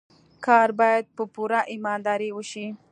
کار باید په پوره ایماندارۍ وشي.